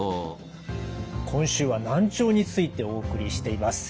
今週は難聴についてお送りしています。